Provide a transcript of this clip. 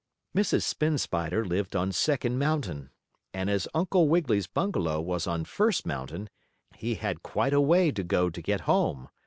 Mrs. Spin Spider lived on Second Mountain, and, as Uncle Wiggily's bungalow was on First Mountain, he had quite a way to go to get home.